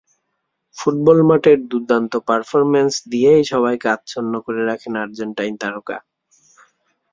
Football মাঠের দুর্দান্ত performance দিয়েই সবাইকে আচ্ছন্ন করে রাখেন আর্জেন্টাইন তারকা।